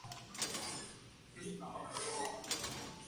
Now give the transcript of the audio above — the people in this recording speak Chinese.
我怕到时候有人指责，说这是商业宣传行为或者说我们侵权